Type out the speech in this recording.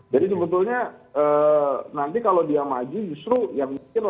jadi sebetulnya nanti kalau dia maju justru yang mikir lawan lawannya mas rezhar